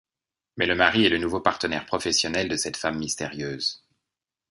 Mais le mari est le nouveau partenaire professionnel de cette femme mystérieuse.